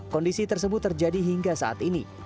kondisi tersebut terjadi hingga saat ini